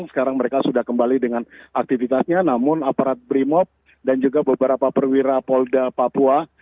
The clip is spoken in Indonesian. sekarang mereka sudah kembali dengan aktivitasnya namun aparat brimob dan juga beberapa perwira polda papua